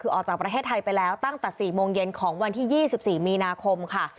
คือออกจากประเทศไทยไปแล้วตั้งแต่๔โมงเย็นของวันที่๒๔มีนาคมค่ะ